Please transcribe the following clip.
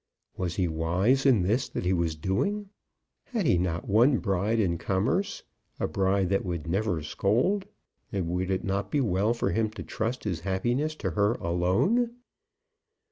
Was he wise in this that he was doing? Had he not one bride in commerce, a bride that would never scold; and would it not be well for him to trust his happiness to her alone?